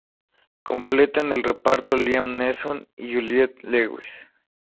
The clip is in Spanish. Completan el reparto Liam Neeson y Juliette Lewis.